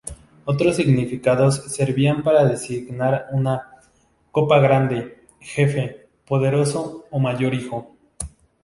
Otros significados servían para designar una "copa grande", "jefe", "poderoso" o "hijo mayor".